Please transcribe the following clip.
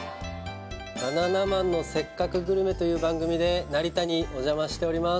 「バナナマンのせっかくグルメ！！」という番組で成田におじゃましております